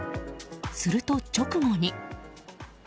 すると直後に。